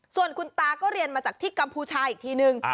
ส่วนคุณตาก็เรียนมาจากที่กัมพูชาอีกทีนึง